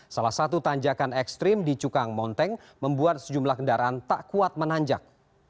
salah satu tanjakan ekstrim di cukang monteng membuat sejumlah kendaraan tak kuat menanjak